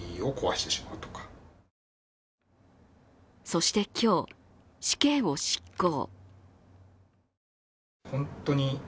そして今日、死刑を執行。